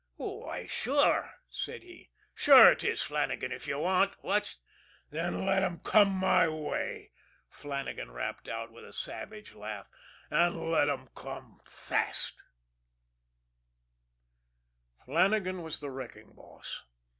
"Why, sure," said he. "Sure it is, Flannagan, if you want it. What's " "Then let 'em come my way," Flannagan rapped out, with a savage laugh; "an' let 'em come fast." Flannagan was the wrecking boss.